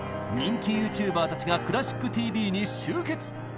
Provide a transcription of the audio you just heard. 人気ユーチューバーたちが「クラシックＴＶ」に集結！